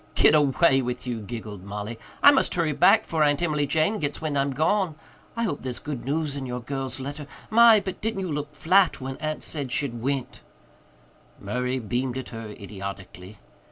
"Git away with you," giggled Mollie. "I must hurry back 'fore Aunt Emily Jane gits wind I'm gone. I hope there's good news in your girl's letter. My, but didn't you look flat when Aunt said she'd went!" Murray beamed at her idiotically.